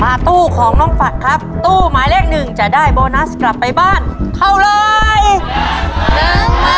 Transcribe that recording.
ตู้ของน้องฝักครับตู้หมายเลขหนึ่งจะได้โบนัสกลับไปบ้านเท่าไร